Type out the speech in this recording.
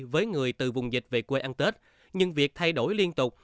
với người từ vùng dịch về quê ăn tết nhưng việc thay đổi liên tục